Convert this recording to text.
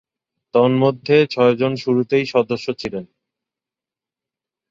তন্মধ্যে, ছয়জন শুরুতেই সদস্য ছিলেন।